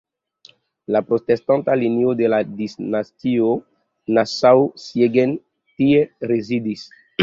La protestanta linio de la dinastio "Nassau-Siegen" tie rezidis.